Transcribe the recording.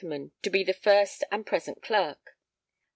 to be the first and present Clerk....